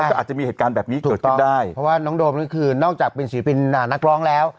ก็อาจจะมีเหตุการณ์แบบนี้เกิดขึ้นได้เพราะว่าน้องโดมนี่คือนอกจากเป็นศิลปินนักร้องแล้ว